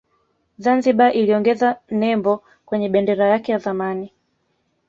Zanzibar iliongeza nembo kwenye bendera yake ya zamani